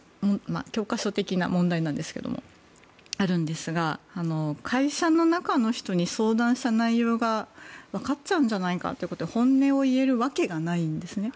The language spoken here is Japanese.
教科書的な問題なんですがあるんですが会社の中の人に、相談した内容が分かっちゃうんじゃないかということで本音を言えるわけがないんですね。